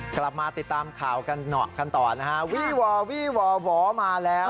กลับมาติดตามข่าวกันหนอกกันต่อนะฮะวีหว่อวีหว่อหวอมาแล้ว